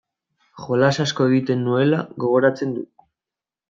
Jolas asko egiten nuela gogoratzen dut.